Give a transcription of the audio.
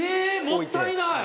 もったいない！